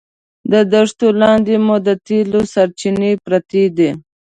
د دښتو لاندې مو د تېلو سرچینې پرتې دي.